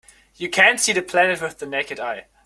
You can't see the planet with the naked eye.